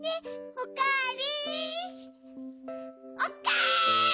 おかえり。